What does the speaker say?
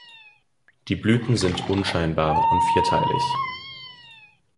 Die Blüten sind unscheinbar und vierteilig.